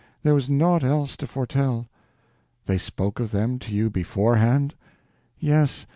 There was naught else to foretell." "They spoke of them to you beforehand?" "Yes.